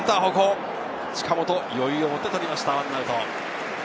近本、余裕を持って捕りました、１アウト。